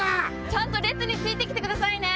ちゃんと列について来てくださいね。